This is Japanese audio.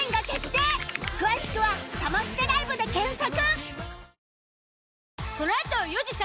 詳しくは「サマステライブ」で検索